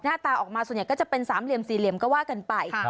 ตาออกมาส่วนใหญ่ก็จะเป็นสามเหลี่ยมสี่เหลี่ยมก็ว่ากันไป